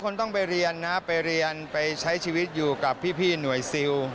คนต้องไปเรียนนะไปเรียนไปใช้ชีวิตอยู่กับพี่หน่วยซิล